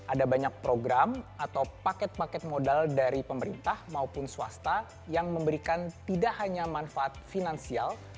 ada banyak program atau paket paket modal dari pemerintah maupun swasta yang memberikan tidak hanya manfaat finansial